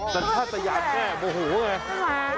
แต่ถ้าสะยาแก้บโอ้โฮว่าไง